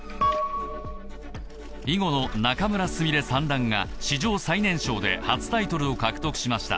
囲碁の仲邑菫三段が史上最年少で初タイトルを獲得しました。